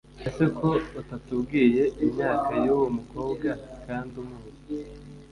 ese ko utatubwiye imyaka yuwo mukobwa kdi umuzi